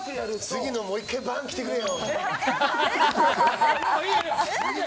杉野、もう１回来てくれよ。